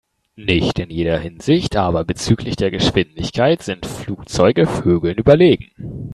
Nicht in jeder Hinsicht, aber bezüglich der Geschwindigkeit sind Flugzeuge Vögeln überlegen.